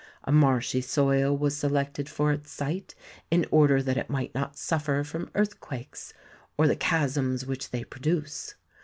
A marshy soil was selected for its site, in order that it might not suffer from earthquakes, or the chasms which they produce.